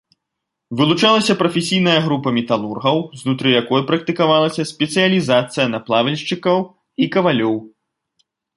Вылучалася прафесійная група металургаў, знутры якой практыкавалася спецыялізацыя на плавільшчыкаў і кавалёў.